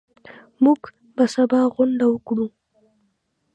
موږ به سبا غونډه وکړو.